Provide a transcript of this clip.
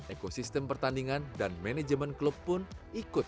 ekosistem pertandingan dan manajemen klub pun ikut